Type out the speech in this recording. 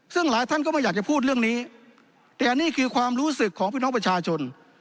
ซึ่งหลายท่านก็ไม่อยากจะพูดเรื่องนี้แต่อันนี้คือความรู้สึกของพี่น้องประชาชน